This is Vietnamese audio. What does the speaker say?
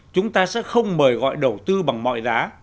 chúng ta sẽ không mời gọi đầu tư bằng mọi giá